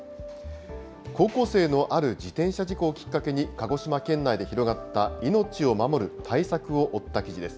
高校生のある自転車事故をきっかけに鹿児島県内で広がった命を守る対策を追った記事です。